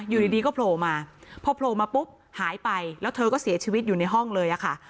อยู่ดีก็โผล่มาพอโผล่มาปุ๊บหายไปแล้วเธอก็เสียชีวิตอยู่ในห้องเลยค่ะ